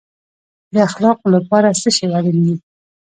د اخلاقو لپاره څه شی اړین دی؟